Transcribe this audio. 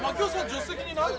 助手席にいない？